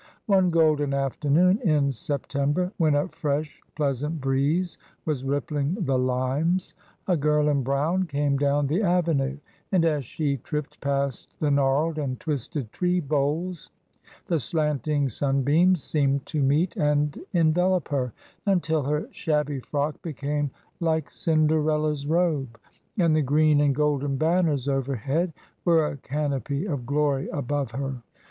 One golden afternoon in September, when a fresh, pleasant breeze was rippling the limes, a girl in brown came down the avenue, and, as she tripped past the gnarled and twisted tree boles, the slanting sunbeams seemed to meet and envelop her, until her shabby frock became like Cinderella's robe, and the green and golden banners overhead were a canopy of glory above her.